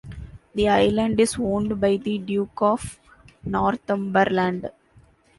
The island is owned by the Duke of Northumberland.